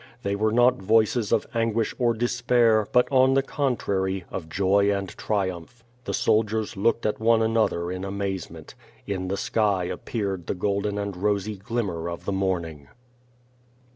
They were not voices of anguish or despair, but on the contrary, of joy and triumph! The soldiers looked at one another in amazement In the sky appeared the golden and rosy glimmer of the morning.